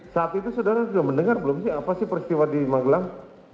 saat itu saudara sudah mendengar belum sih apa sih peristiwa di magelang